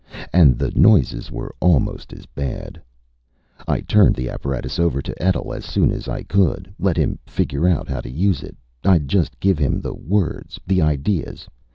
And the noises were almost as bad. I turned the apparatus over to Etl as soon as I could. Let him figure out how to use it. I'd just give him the words, the ideas.